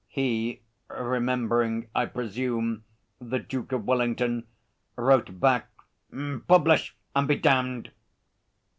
He, remembering, I presume, the Duke of Wellington, wrote back, 'publish and be damned.'